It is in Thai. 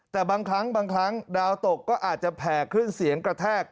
แต่บางครั้งบางครั้งดาวตกก็อาจจะแผ่ขึ้นเสียงกระแทก